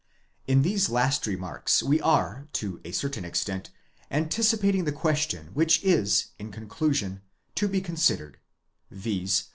In these last remarks we are, to a certain extent, anticipating the question which is, in conclusion, to be considered: viz.